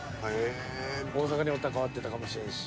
大阪におったら変わってたかもしれんし。